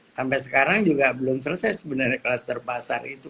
sampai sekarang juga belum selesai sebenarnya kluster pasar itu